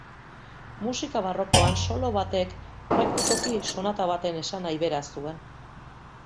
Musika barrokoan solo batek praktikoki sonata baten esanahi bera zuen.